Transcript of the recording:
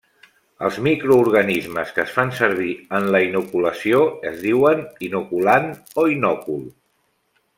Els microorganismes que es fan servir en la inoculació es diuen inoculant o inòcul.